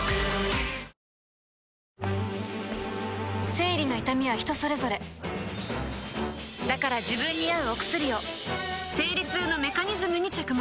生理の痛みは人それぞれだから自分に合うお薬を生理痛のメカニズムに着目